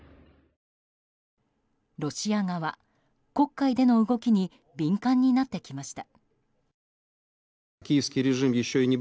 ロシア側、黒海での動きに敏感になってきました。